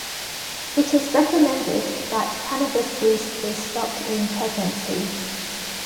It is recommended that cannabis use be stopped in pregnancy.